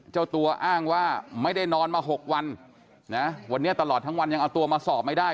เจ้าตัวอ้างว่าไม่ได้นอนมา๖วันนะวันนี้ตลอดทั้งวันยังเอาตัวมาสอบไม่ได้